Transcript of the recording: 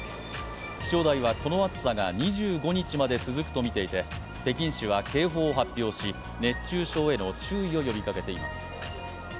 気象台はこの暑さが２５日まで続くとみていて北京市は警報を発表し熱中症への注意を呼びかけています。